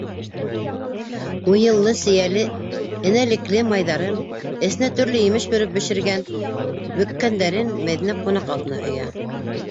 Муйыллы, сейәле, энәлекле майҙарын, эсенә төрлө емеш бөрөп бешергән бөккәндәрен Мәҙинә ҡунаҡ алдына өйә: